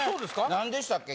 なんでしたっけ？